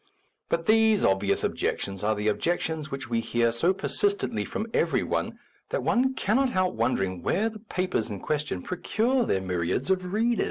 But these obvi ous objections are the objections which we hear so persistently from every one that one cannot help wondering where the papers in question procure their myriads of readers.